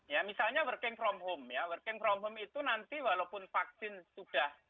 ya misalnya working from home ya working from home itu nanti walaupun vaksin sudah